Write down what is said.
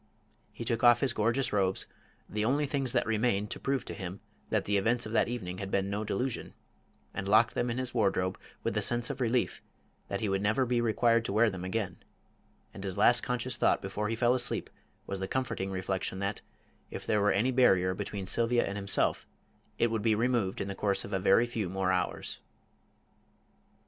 He took off his gorgeous robes the only things that remained to prove to him that the events of that evening had been no delusion and locked them in his wardrobe with a sense of relief that he would never be required to wear them again, and his last conscious thought before he fell asleep was the comforting reflection that, if there were any barrier between Sylvia and himself, it would be removed in the course of a very few more hours.